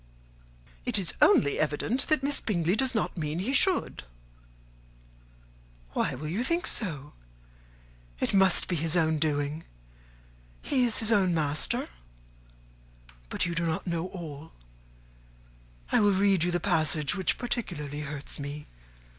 "It is only evident that Miss Bingley does not mean he should." "Why will you think so? It must be his own doing; he is his own master. But you do not know all. I will read you the passage which particularly hurts me.